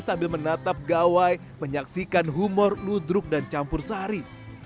sambil menatap gawai menyaksikan humor ludruk dan campur sari